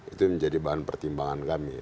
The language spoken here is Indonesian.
itu yang menjadi bahan pertimbangan kami